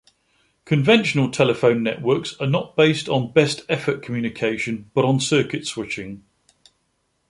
Conventional telephone networks are not based on best-effort communication, but on circuit switching.